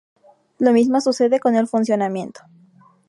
Lo mismo sucede con el funcionamiento.